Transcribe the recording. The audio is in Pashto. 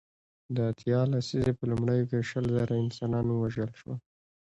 د اتیا لسیزې په لومړیو کې شل زره انسانان ووژل شول.